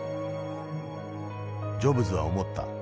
ジョブズは思った。